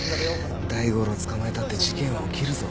いや大五郎を捕まえたって事件は起きるぞ。